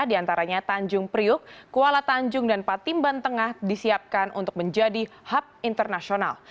di antaranya tanjung priuk kuala tanjung dan patimban tengah disiapkan untuk menjadi hub internasional